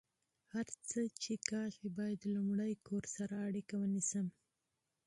هر څه چې کیږي، باید لمړۍ کور سره اړیکه ونیسم